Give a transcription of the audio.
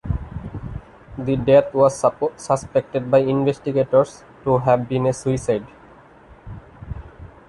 The death was suspected by investigators to have been a suicide.